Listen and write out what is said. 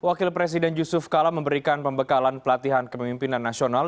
wakil presiden yusuf kalam memberikan pembekalan pelatihan kemimpinan nasional